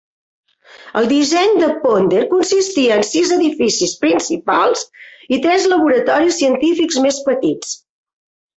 El disseny de Ponder consistia en sis edificis principals i tres laboratoris científics més petits.